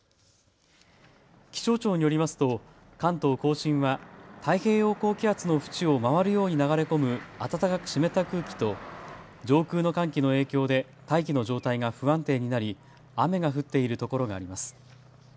気象庁によりますと関東甲信は太平洋高気圧の縁を回るように流れ込む暖かく湿った空気と上空の寒気の影響で大気の状態が不安定になり雨が降っているところがあります。